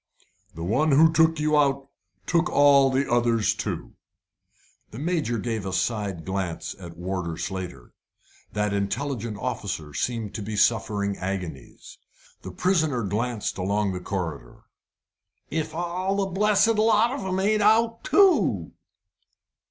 "The one who took you out took all the others too." The Major gave a side glance at Warder Slater. That intelligent officer seemed to be suffering agonies. The prisoner glanced along the corridor. "If all the blessed lot of 'em ain't out too!"